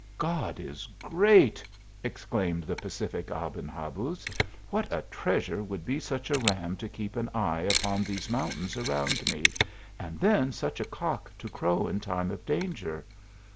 "God is great !" exclaimed the pacific Aben Ha buz ;" what a treasure would be such a ram to keep an eye upon these mountains around me, and then such a cock to crow in time of danger